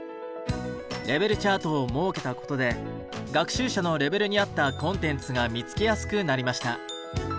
レベルチャートを設けたことで学習者のレベルに合ったコンテンツが見つけやすくなりました。